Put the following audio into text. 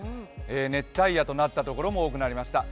熱帯夜となった所も多くなりました。